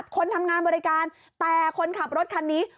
คนทำงานบริการแต่คนขับรถคันนี้